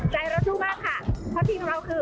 ใจเราสู้มากค่ะเพราะทีมของเราคือ